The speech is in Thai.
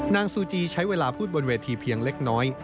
ซูจีใช้เวลาพูดบนเวทีเพียงเล็กน้อย